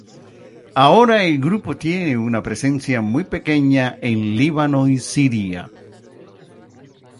Ahora el grupo tiene una presencia muy pequeña en Líbano y Siria.